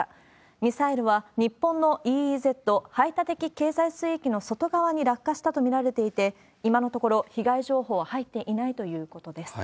ミサイルは、日本のＥＥＺ・排他的経済水域の外側に落下したと見られていて、今のところ被害情報は入っていないということです。